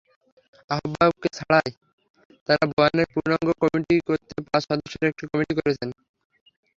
আহ্বায়ককে ছাড়াই তাঁরা বোয়ানের পূর্ণাঙ্গ কমিটি করতে পাঁচ সদস্যের একটি কমিটি করেছেন।